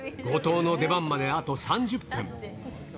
後藤の出番まであと３０分。